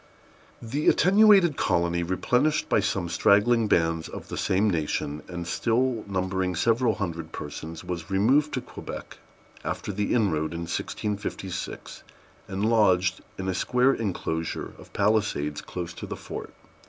The attenuated colony, replenished by some straggling bands of the same nation, and still numbering several hundred persons, was removed to Quebec after the inroad in 1656, and lodged in a square inclosure of palisades close to the fort.